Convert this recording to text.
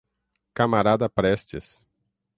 Camarada Prestes